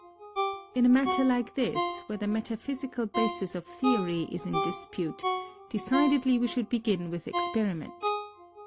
In a riiatter like this, where the metaphysical basis of theory is in dispute, decidedly we should begin with experiment.